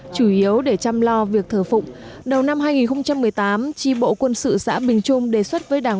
chủ yếu để chăm lo việc thờ phụng đầu năm hai nghìn một mươi tám tri bộ quân sự xã bình trung đề xuất với đảng